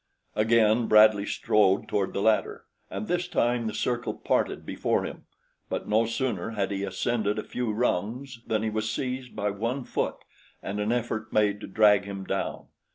Again Bradley strode toward the ladder, and this time the circle parted before him; but no sooner had he ascended a few rungs than he was seized by one foot and an effort made to drag him down.